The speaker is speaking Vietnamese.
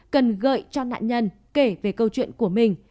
cần gợi cho nạn nhân kể về câu chuyện của mình